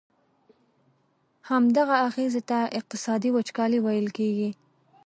همدغه اغیزي ته اقتصادي وچکالي ویل کیږي.